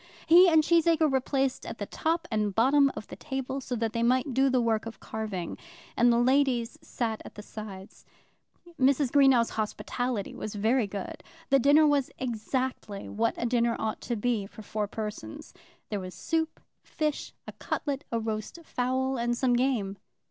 He and Cheesacre were placed at the top and bottom of the table, so that they might do the work of carving; and the ladies sat at the sides. Mrs. Greenow's hospitality was very good. The dinner was exactly what a dinner ought to be for four persons. There was soup, fish, a cutlet, a roast fowl, and some game.